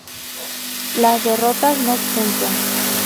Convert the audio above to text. Las derrotas no puntúan.